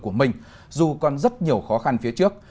của mình dù còn rất nhiều khó khăn phía trước